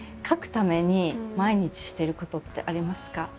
書くために毎日してることってありますか？